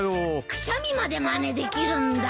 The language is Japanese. くしゃみまでまねできるんだ。